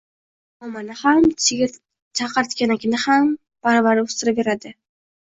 Yer chuchmomani ham, chaqirtikanakni ham baravar o’stiraveradi.